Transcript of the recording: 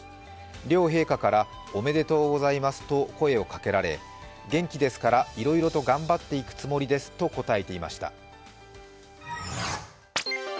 両陛下から、おめでとうございますと声をかけられ元気ですからいろいろと頑張っていくつもりですと答えていました。